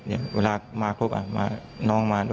เวลามาเค้ากับน้องมาด้วย